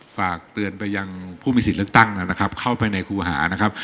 ฝากเตือนไปยังผู้มีสิทธิ์เลือกตั้งนะครับเข้าไปในครูหานะครับ